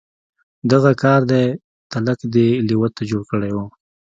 دغه کار دی تلک دې لېوه ته جوړ کړی و.